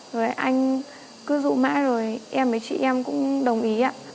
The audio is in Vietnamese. rồi anh cứ dụ mãi rồi em với chị em cũng đồng ý ạ